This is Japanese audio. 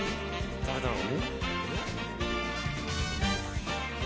誰だろう？